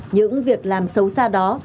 những việc làm xấu xa đó